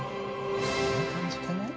こんな感じかな。